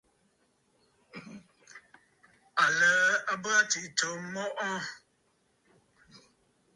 Aləə a bə aa tsiꞌì tsǒ mɔꞌɔ.